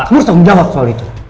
kamu harus menjawab soal itu